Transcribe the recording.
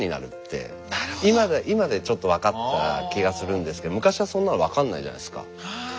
今でちょっと分かった気がするんですけど昔はそんなの分かんないじゃないですか。